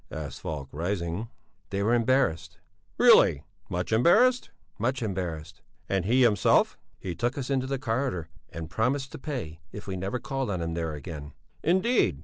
asked Falk, rising. "They were embarrassed." "Really? Much embarrassed?" "Much embarrassed." "And he himself?" "He took us into the corridor and promised to pay if we never called on him there again." "Indeed!